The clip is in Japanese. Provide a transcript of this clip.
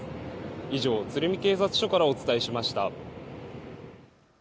以上、鶴見警察署からお伝えしました。